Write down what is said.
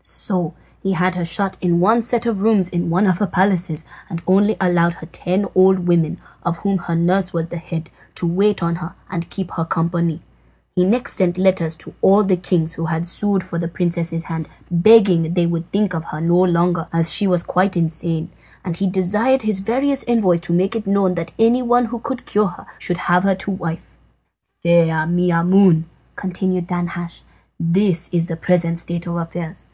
So he had her shut in one set of rooms in one of her palaces, and only allowed her ten old women, of whom her nurse was the head, to wait on her and keep her company. He next sent letters to all the kings who had sued for the princess's hand, begging they would think of her no longer, as she was quite insane, and he desired his various envoys to make it known that anyone who could cure her should have her to wife. "Fair Maimoune," continued Danhasch, "this is the present state of affairs.